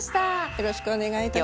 よろしくお願いします。